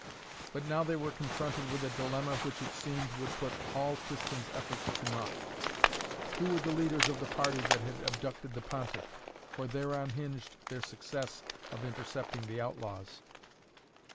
But now they were confronted with a dilemma which it seemed would put all Tristan's efforts to naught. Who were the leaders of the party that had abducted the Pontiff? For thereon hinged their success of intercepting the outlaws.